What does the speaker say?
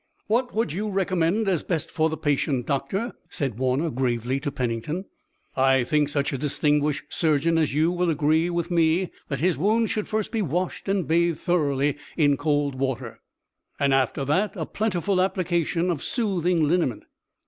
"What would you recommend as best for the patient, Doctor," said Warner gravely to Pennington. "I think such a distinguished surgeon as you will agree with me that his wounds should first be washed and bathed thoroughly in cold water." "And after that a plentiful application of soothing liniment."